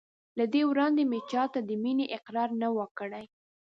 له دې وړاندې مې چا ته د مینې اقرار نه و کړی.